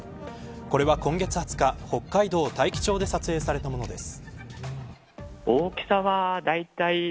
これは今月２０日、北海道大樹町で撮影されたものです。